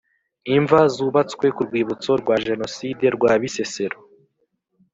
Imva zubatswe ku Rwibutso rwa Jenoside rwa Bisesero